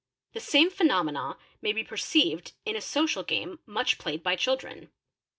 The same phenomena may be perceived in a social game much played by children.